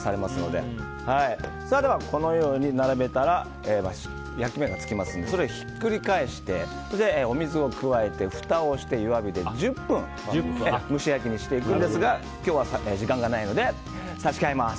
では、このように並べたら焼き目がつきますのでそれをひっくり返してお水を加えて、ふたをして弱火で１０分蒸し焼きにしていくんですが今日は時間がないので差し替えます！